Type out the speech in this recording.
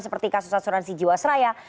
seperti kasus asuransi jiwasraya